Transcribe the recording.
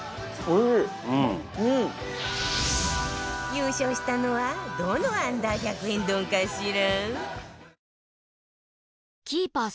優勝したのはどの Ｕ−１００ 円丼かしら？